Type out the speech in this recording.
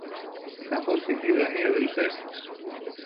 Καθώς την είδαν οι αδελφές της